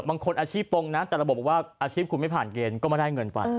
บางทีอาชีพตรงนะแต่ระบบบอกว่าอาชีพคุณไม่ผ่านเกณฑ์ก็ไม่ได้เงินไป